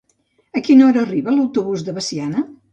A quina hora arriba l'autobús de Veciana?